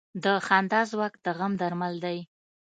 د خندا ځواک د غم درمل دی.